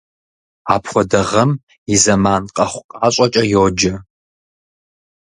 Апхуэдэ гъэм и зэман къэхъу-къащӀэкӀэ йоджэ.